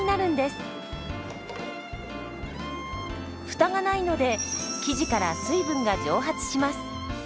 フタがないので生地から水分が蒸発します。